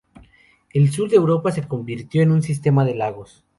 El sur de Europa se convirtió en un sistema de lagos.